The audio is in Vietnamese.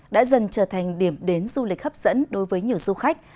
đã dần trở thành điểm đến du lịch hấp dẫn đối với nhiều du khách